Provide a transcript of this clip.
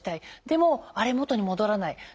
でも「あれ？元に戻らない。